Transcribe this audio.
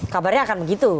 kabarnya akan begitu